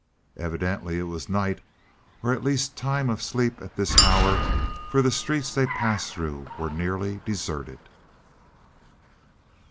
Evidently it was night, or at least the time of sleep at this hour, for the streets they passed through were nearly deserted.